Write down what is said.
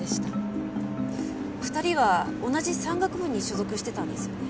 ２人は同じ山岳部に所属してたんですよね？